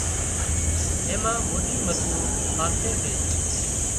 اين مان موٽي مسيون ڦاسي سي